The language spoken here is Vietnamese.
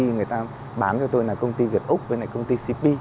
khi người ta bán cho tôi là công ty việt úc với công ty cp